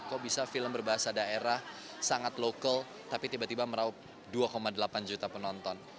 kok bisa film berbahasa daerah sangat lokal tapi tiba tiba meraup dua delapan juta penonton